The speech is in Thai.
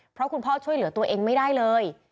เพราะคุณพ่อช่วยเหลือตัวเองไม่ได้เลย